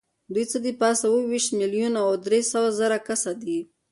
دوی څه د پاسه اووه ویشت میلیونه او درې سوه زره کسه دي.